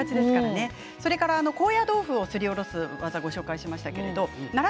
高野豆腐をすりおろす技をご紹介しました。